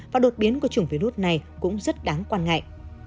và đột biến của chủng virus này cũng rất đáng quan ngại